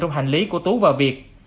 trong hành lý của tú và việt